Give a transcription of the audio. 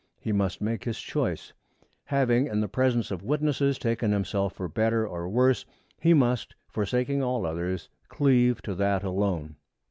He must make his choice. Having in the presence of witnesses taken himself for better or worse, he must, forsaking all others, cleave to that alone.